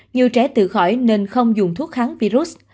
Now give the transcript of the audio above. nhiều trẻ tự khỏi nên không dùng thuốc kháng virus